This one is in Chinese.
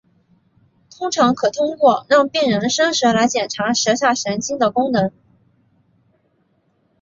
通常可通过让病人伸舌来检查舌下神经的功能。